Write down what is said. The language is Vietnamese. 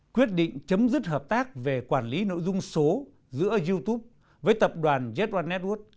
quyết định chấm dứt hợp tác về quản lý nội dung số giữa youtube với tập đoàn jetone network